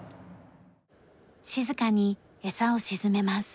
静かにエサを沈めます。